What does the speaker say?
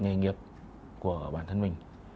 nghề nghiệp của bản thân mình